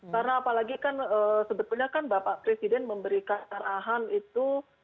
karena apalagi kan sebetulnya kan bapak presiden memberikan arahan itu